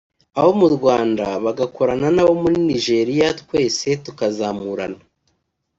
abo mu Rwanda bagakorana n’abo muri Nigeria twese tukazamurana